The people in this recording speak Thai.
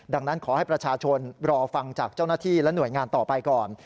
ดังนั้นขอให้ประชาชนรอฟังจากเจ้าหน้าที่และหน่วยงานต่อไปก่อน